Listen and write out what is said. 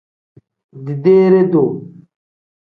Dideere-duu.